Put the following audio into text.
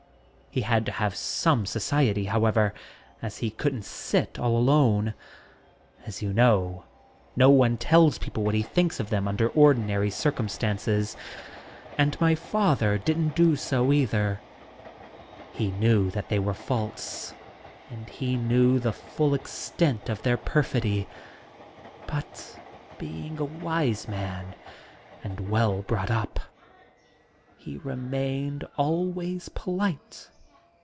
He had to have some society, however, as he couldn't sit all alone. As you know, no one tells people what he thinks of them under ordinary circumstances, and my father didn't do so either. scENBin THE SPOOK SONATA 145 He knew ihat they were fabe, and he knew the full extent of their perfidy, but, being a wise man and well brought up, he remained always polite.